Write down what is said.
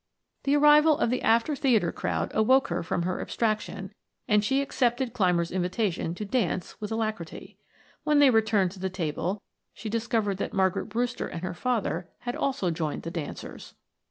The arrival of the after the theater crowd awoke her from her abstraction, and she accepted Clymer's invitation to dance with alacrity. When they returned to the table she discovered that Margaret Brewster and her father had also joined the dancers.